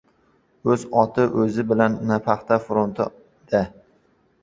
— O‘z oti o‘zi bilan paxta fronti-da!